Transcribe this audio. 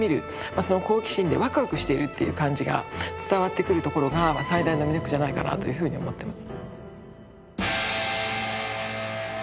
その好奇心でワクワクしてるっていう感じが伝わってくるところが最大の魅力じゃないかなぁというふうに思ってます。